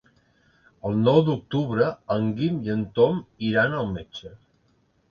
El nou d'octubre en Guim i en Tom iran al metge.